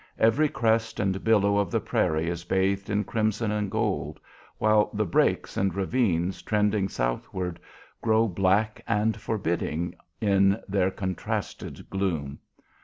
Every crest and billow of the prairie is bathed in crimson and gold, while the "breaks" and ravines trending southward grow black and forbidding in their contrasted gloom.